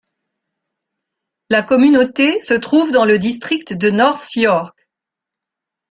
La communauté se trouve dans le district de North York.